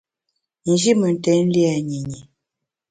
Nji mentèn lia nyinyi.